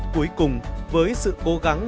cuối cùng với sự cố gắng